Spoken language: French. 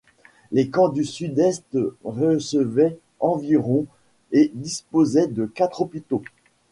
Les camps du Sud-Est recevaient environ et disposaient de quatre hôpitaux.